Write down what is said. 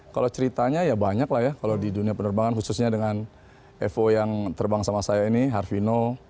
kalau ceritanya ya banyak lah ya kalau di dunia penerbangan khususnya dengan evo yang terbang sama saya ini harvino